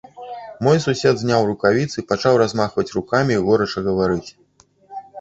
Мой сусед зняў рукавіцы, пачаў размахваць рукамі і горача гаварыць.